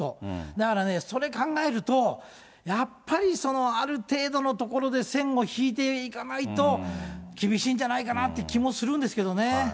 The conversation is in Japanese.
だからね、それ考えると、やっぱりある程度のところで線を引いていかないと、厳しいんじゃないかなっていう気もするんですけどね。